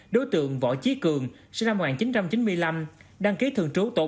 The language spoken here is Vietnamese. đối tượng võ chí cường sinh năm một nghìn chín trăm chín mươi năm đăng ký thường trú tổ năm